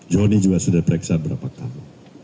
jonny juga sudah periksa beberapa kali